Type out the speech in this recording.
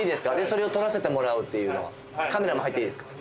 それを撮らせてもらうっていうのはカメラも入っていいですか？